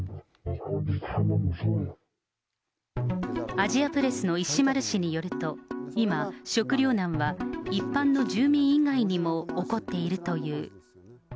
アジアプレスの石丸氏によると、今、食糧難は一般の住民以外にも起こっているという。